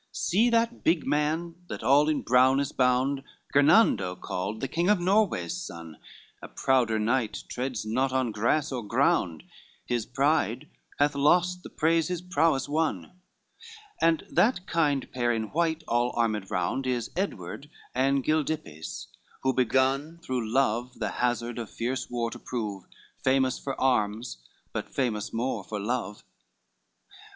XL "See that big man that all in brown is bound, Gernando called, the King of Norway's son, A prouder knight treads not on grass or ground, His pride hath lost the praise his prowess won; And that kind pair in white all armed round, Is Edward and Gildippes, who begun Through love the hazard of fierce war to prove, Famous for arms, but famous more for love."